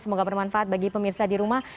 semoga bermanfaat bagi pemirsa di rumah